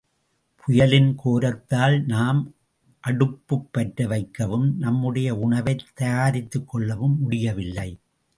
புயலின் கோரத்தால் நாம் அடுப்புப் பற்ற வைக்கவும், நம்முடைய உணவைத் தயாரித்துக் கொள்ளவும் முடியவில்லை.